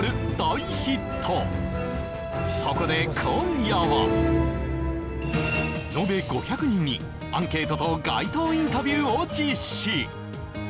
そこで今夜はのべ５００人にアンケートと街頭インタビューを実施